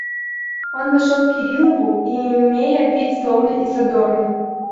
Он вошел к Кириллову, имея вид злобный и задорный.